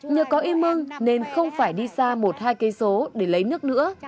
nhờ có y mưng nên không phải đi xa một hai km để lấy nước nữa